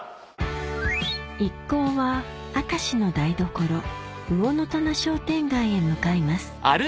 一行は明石の台所魚の棚商店街へ向かいます